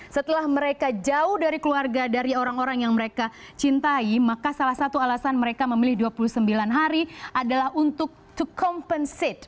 setelah mereka jauh dari keluarga dari orang orang yang mereka cintai maka salah satu alasan mereka memilih dua puluh sembilan hari adalah untuk to compensate